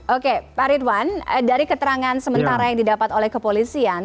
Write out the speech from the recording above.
oke pak ridwan dari keterangan sementara yang didapat oleh kepolisian